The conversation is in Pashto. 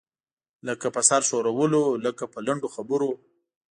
لکه په سر ښورولو، لکه په لنډو خبرو.